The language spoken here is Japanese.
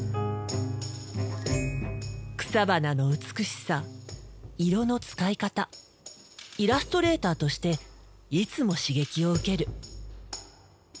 草花の美しさ色の使い方イラストレーターとしていつも刺激を受ける。